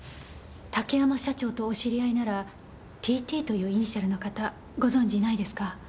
竹山社長とお知り合いならＴ．Ｔというイニシャルの方ご存じないですか？